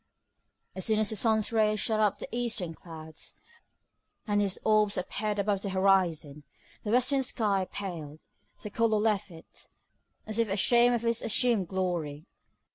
As soon as the sun's rays shot up into the eastern clouds, and his orb appeared above the horizon, the western sky paled, the colour left it, as if ashamed of its assumed glory.